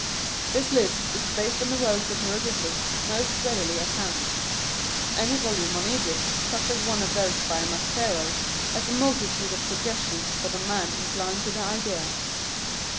This list is based on the rows of hieroglyphics most readily at hand. Any volume on Egypt, such as one of those by Maspero, has a multitude of suggestions for the man inclined to the idea.